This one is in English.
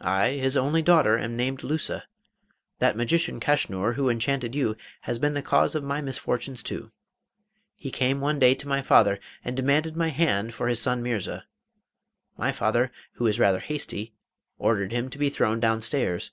I, his only daughter, am named Lusa. That magician Kaschnur, who enchanted you, has been the cause of my misfortunes too. He came one day to my father and demanded my hand for his son Mirza. My father who is rather hasty ordered him to be thrown downstairs.